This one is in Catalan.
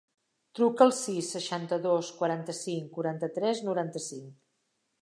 Truca al sis, seixanta-dos, quaranta-cinc, quaranta-tres, noranta-cinc.